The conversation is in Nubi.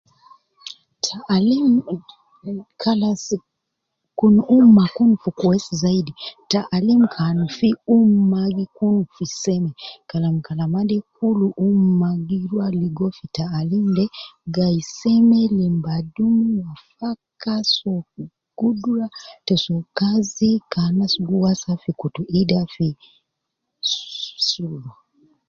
Taalim kalas Kun ummah Kun fi kweis zaidi taalim kan fi ummah gi Kun fi seme. Kalam kalama de kul ummah gi ruwa ligo fi taalim de gayi seme lim badum wafaka so gudura te so kazi ke anas gi wasa fi kutu ida ssi